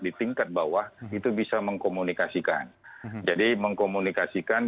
di tingkat bawah itu bisa mengkomunikasikan jadi mengkomunikasikan